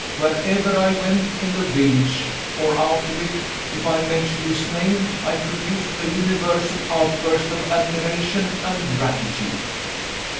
Wherever I went, in the village or out of it, if I mentioned his name, I produced a universal outburst of admiration and gratitude.